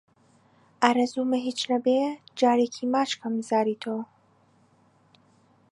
ئارەزوومە هیچ نەبێ جارێکی ماچ کەم زاری تۆ